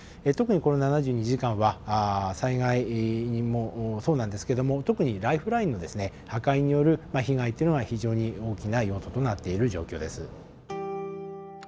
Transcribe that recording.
特にこの７２時間は災害もそうなんですけども特にライフラインの破壊による被害っていうのが非常に大きな要素となっている状況です。